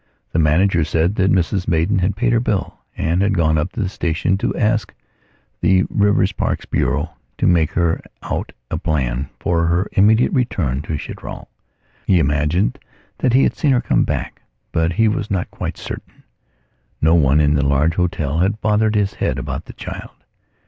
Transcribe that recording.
The manager said that Mrs Maidan had paid her bill, and had gone up to the station to ask the Reiseverkehrsbureau to make her out a plan for her immediate return to Chitral. He imagined that he had seen her come back, but he was not quite certain. No one in the large hotel had bothered his head about the child.